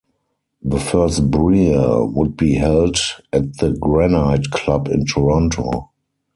The first Brier would be held at the Granite Club in Toronto.